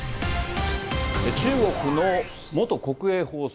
中国の元国営放送